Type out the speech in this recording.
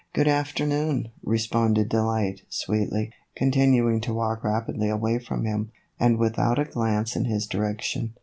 "Good afternoon," responded Delight, sweetly, continuing to walk rapidly away from him, and with out a glance in his direction.